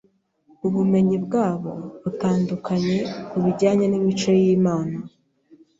ubumenyi bwabo budatunganye ku bijyanye n’imico y’imana,